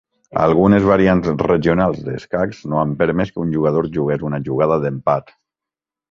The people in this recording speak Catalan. Algunes variants regionals d'escacs no han permès que un jugador jugués una jugada d'empat.